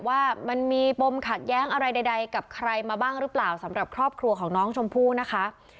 ว่ามันมีปมขัดแย้งอะไรใดกับใครมาบ้างหรือเปล่าสำหรับครอบครัวของน้องชมพู่นะคะ